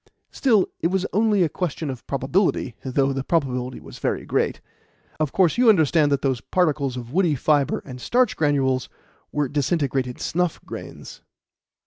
Still, it was only a question of probability, though the probability was very great. Of course, you understand that those particles of woody fibre and starch granules were disintegrated snuff grains."